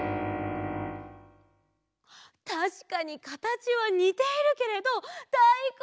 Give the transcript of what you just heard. たしかにかたちはにているけれどだいこんじゃないんです！